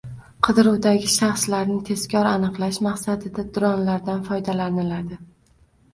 Qidiruvdagi shaxslarni tezkor aniqlash maqsadida dronlardan foydalaniladi